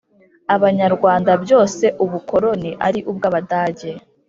Abanyarwanda byose Ubukoroni ari ubw Abadage